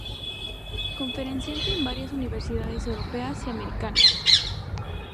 Conferenciante en varias universidades europeas y americanas.